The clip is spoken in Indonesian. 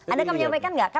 anda akan menyampaikan gak